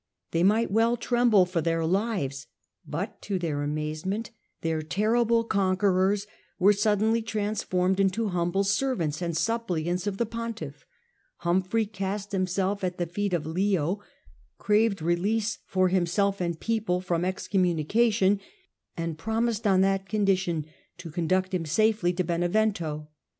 They might well tremble for their lives ; but, to their amazement, their terrible conquerors were suddenly transformed into humble servants and suppliants of the pontiff. Humphrey cast himself at the feet of Leo, craved release for himself and people from excommunication, and promised, on that condition, to conduct him safely to Benevento.